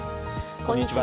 こんにちは。